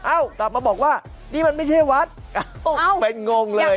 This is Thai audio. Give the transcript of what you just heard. กลับมาบอกว่านี่มันไม่ใช่วัดเป็นงงเลย